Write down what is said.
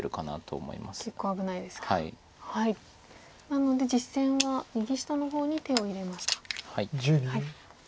なので実戦は右下の方に手を入れました。